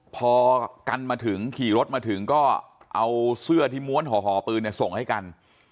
พอกันมาถึงขี่รถมาถึงก็เอาเสื้อที่ม้วนห่อปืนส่งให้กัน